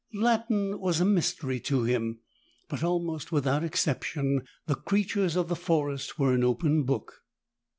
Latin was a mystery to him, but almost without exception the creatures of the forest were an open book.